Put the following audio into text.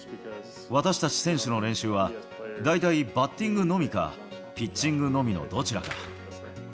私たち選手の練習は、大体バッティングのみかピッチングのみのどちらか。